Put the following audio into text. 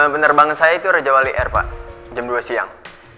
penerbangan saya itu raja wali air pak jam dua siang